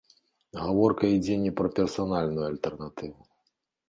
Гаворка ідзе не пра персанальную альтэрнатыву.